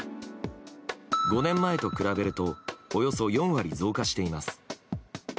５年前と比べるとおよそ４割増加しています。